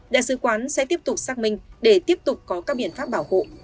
đại sứ quán sẽ tiếp tục xác minh để tiếp tục có các biện pháp bảo hộ